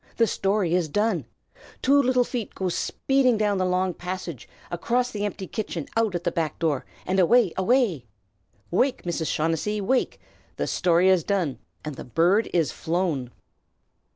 The story is done! Two little feet go speeding down the long passage, across the empty kitchen, out at the back door, and away, away! Wake, Mrs. O'Shaughnessy! wake! the story is done and the bird is flown!